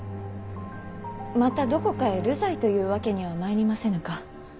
またどこかへ流罪というわけにはまいりませぬか。